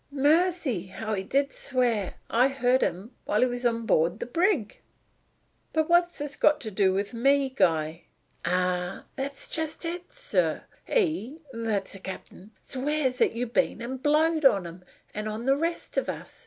Mercy! how he did swear! I heard him while he was on board the brig." "But what has this to do with me, Guy?" "Ah, that's just it, sir! He that's the cap'n swears 'at you've been and blowed on him; and on the rest of us.